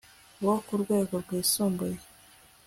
bo ku rwego rwisumbuye